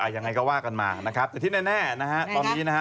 อย่างไรไวก็ว่ากันมาแต่ที่แน่แล้ว